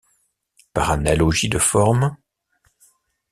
Par analogie de forme,